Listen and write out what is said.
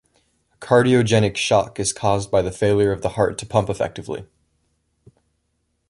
Cardiogenic shock is caused by the failure of the heart to pump effectively.